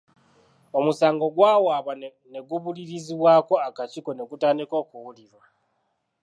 Omusango gwawaabwa, ne gubuulirizibwako akakiiko ne gutandika okuwulirwa.